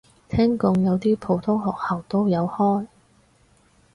聽講有啲普通學校都有開